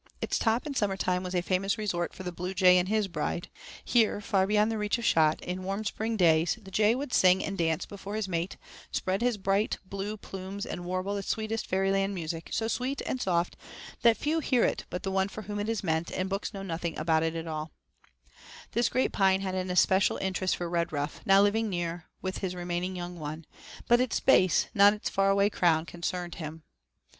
Its top in summer time was a famous resort for the bluejay and his bride. Here, far beyond the reach of shot, in warm spring days the jay would sing and dance before his mate, spread his bright blue plumes and warble the sweetest fairyland music, so sweet and soft that few hear it but the one for whom it is meant, and books know nothing at all about it. This great pine had an especial interest for Redruff, now living near with his remaining young one, but its base, not its far away crown, concerned him.